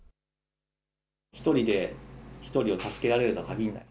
１人で１人を助けられるとはかぎらない。